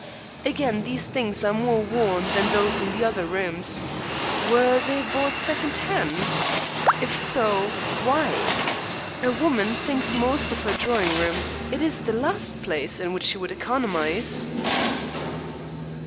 Again, these things are more worn than those in the other rooms. Were they bought second hand? If so, why? A woman thinks most of her drawing room. It is the last place in which she would economize."